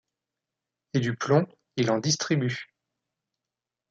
Et du plomb, il en distribue.